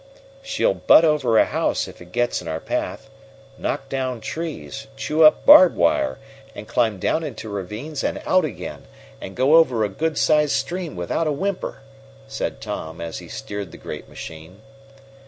"She'll butt over a house if it gets in her path, knock down trees, chew up barbed wire, and climb down into ravines and out again, and go over a good sized stream without a whimper," said Tom, as he steered the great machine.